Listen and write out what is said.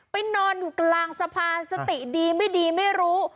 นอนอยู่กลางสะพานสติดีไม่ดีไม่รู้